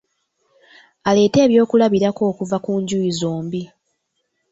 Aleete eby'okulabirako okuva ku njuyi zombi.